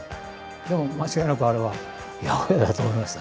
でも間違いなくあれは８０８だと思いましたね。